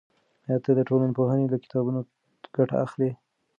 آیا ته د ټولنپوهنې له کتابونو ګټه اخلی؟